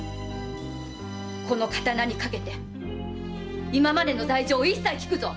この刀にかけて今までの罪状を一切聞くぞ！